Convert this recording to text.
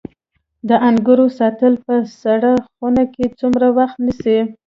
د انګورو ساتل په سړه خونه کې څومره وخت نیسي؟